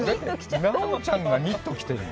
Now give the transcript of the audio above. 奈緒ちゃんがニット着てるの。